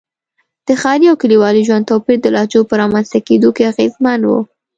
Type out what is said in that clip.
د ښاري او کلیوالي ژوند توپیر د لهجو په رامنځته کېدو کې اغېزمن و.